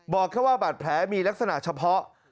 บอกว่าบัตรแผลมีลักษณะเฉพาะ